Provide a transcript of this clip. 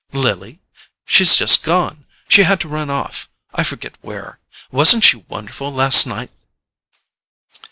"Lily? She's just gone. She had to run off, I forget where. Wasn't she wonderful last night?"